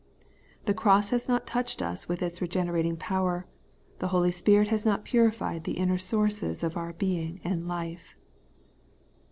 The cross has not touched us with its regenerating power ; the Holy Spirit has not purified the inner sources of our being and life.